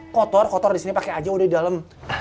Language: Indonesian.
kotor kotor disini pake aja udah di dalam